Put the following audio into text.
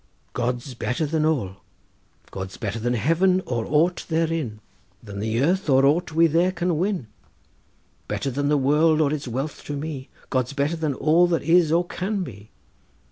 GOD'S BETTER THAN ALL. God's better than heaven or aught therein, Than the earth or aught we there can win, Better than the world or its wealth to me— God's better than all that is or can be.